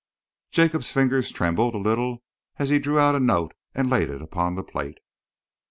Jacob's fingers trembled a little as he drew out a note and laid it upon the plate.